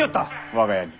我が家に。